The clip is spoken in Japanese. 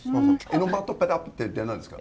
「エノバトペタップ」って何ですか？